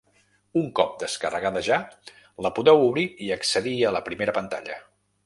Un cop descarregada ja la podeu obrir i accedir a la primera pantalla.